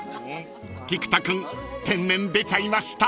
［菊田君天然出ちゃいました］